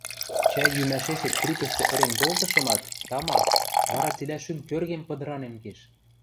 – Чӓй йӱмӓшешет трӱкӹштӹ ӹрен колтышымат, тама, вара цилӓ шӱм кӧргем пыдыранен кеш